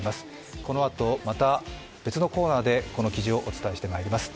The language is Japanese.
このあと、また別のコーナーでこの生地をお伝えします。